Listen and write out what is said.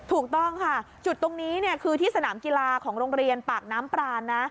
ถูกต้องค่ะจุดตรงนี้คือที่สนามกีฬาของโรงเรียนปากน้ำปรานนะ